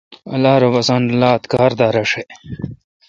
اللہ رب اسان لات کار دا رݭہ۔